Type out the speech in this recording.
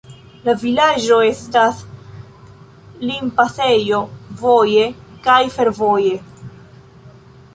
La vilaĝo estas limpasejo voje kaj fervoje.